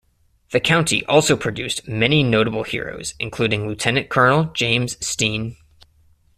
The county also produced many notable heroes including Lieutenant Colonel James Steen.